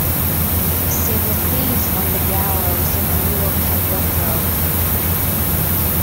Save a thief from the gallows and he will cut your throat.